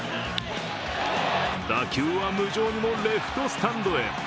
打球は無情にもレフトスタンドへ。